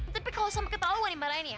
tapi kalau sama kita lu yang dimarahin ya